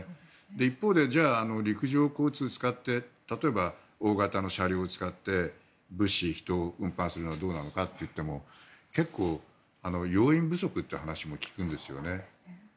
一方で、陸上交通を使って例えば、大型の車両を使って物資、人を運搬するのはどうなのかっていっても結構、要員不足という話も聞くんですよね。